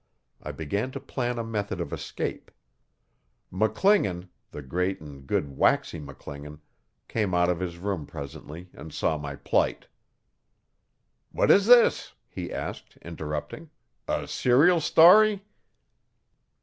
I began to plan a method of escape. McClingan the great and good Waxy McClingan came out of his room presently and saw my plight. 'What is this?' he asked, interrupting, 'a serial stawry?